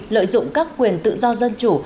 lợi dụng các quyền tự do dân chủ